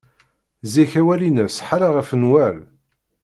Zik awal-ines ḥala ɣef nnwal.